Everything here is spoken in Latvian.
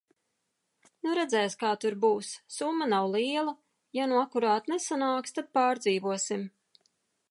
Nu redzēs kā tur būs, summa nav liela, ja nu akurāt nesanāks, tad pārdzīvosim.